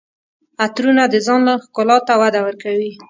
عطرونه د ځان ښکلا ته وده ورکوي.